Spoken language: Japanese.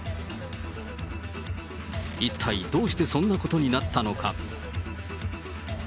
一体どうしてそんなことになったのか。